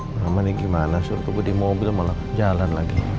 mama ini gimana suruh tunggu di mobil malah jalan lagi